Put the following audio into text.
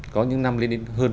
có những năm lên đến hơn bốn mươi